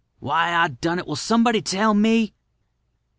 Why I done it, will somebody tell me?